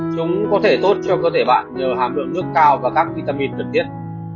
chúng có thể tốt cho cơ thể bạn nhờ hàm lượng nước cao và các vitamin đặc biệt